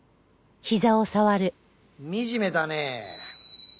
惨めだねえ。